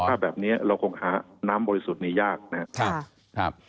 ถ้าแบบนี้เราคงหาน้ำบริสุทธิ์นี้ยากนะครับ